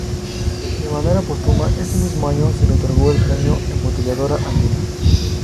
De manera póstuma, ese mismo año se le otorgó el Premio Embotelladora Andina.